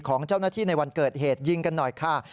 ของเจ้าหน้าที่ในวันเกิดเหตุยิงกันหน่อยค่ะ